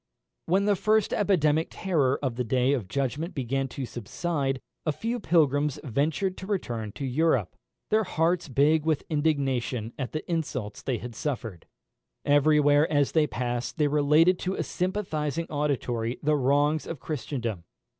When the first epidemic terror of the day of judgment began to subside, a few pilgrims ventured to return to Europe, their hearts big with indignation at the insults they had suffered. Every where as they passed they related to a sympathising auditory the wrongs of Christendom.